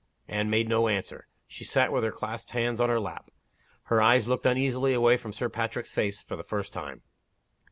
Anne made no answer. She sat with her clasped hands on her lap. Her eyes looked uneasily away from Sir Patrick's face, for the first time.